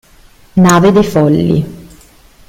Nave dei folli